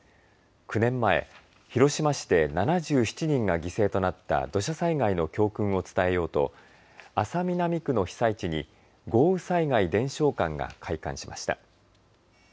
９年前、広島市で７７人が犠牲となった土砂災害の教訓を伝えようと安佐南区の被災地に豪雨災害伝承館が開館しました。